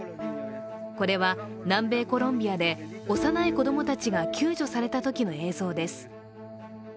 これは、南米コロンビアで幼い子供たちが救助されたときの映像です。